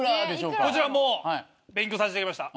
こちらもう勉強させていただきました。